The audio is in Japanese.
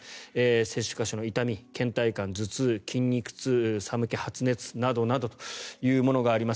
接種箇所の痛み、けん怠感頭痛筋肉痛、寒気、発熱などなどというものがあります。